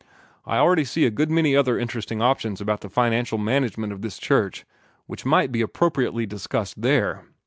I already see a good many other interesting questions about the financial management of this church which might be appropriately discussed there."